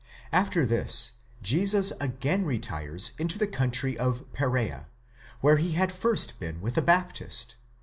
After this Jesus again retires into the country of Perea, where he had first been with the Baptist (x.